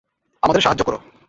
আমাদের সাহায্য করো।